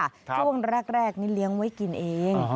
ช่วงแรกนี่เลี้ยงไว้กินเอง